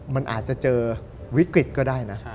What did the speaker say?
มันอาจจะเจอวิกฤตก็ได้นะ